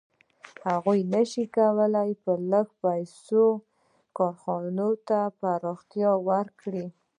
هغه نشي کولی په لږو پیسو کارخانې ته پراختیا ورکړي